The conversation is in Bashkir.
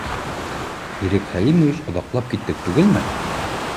— Ирек Хәлимович, оҙаҡлап киттек түгелме?